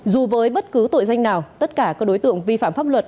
dù với bất cứ tội danh nào tất cả các đối tượng vi phạm pháp luật